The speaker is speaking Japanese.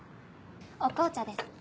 お紅茶です。